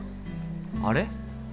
あれ？